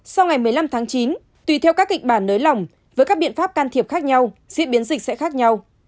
sau ngày một mươi năm tháng chín tùy theo các kịch bản nới lỏng với các biện pháp can thiệp khác nhau diễn biến dịch sẽ khác nhau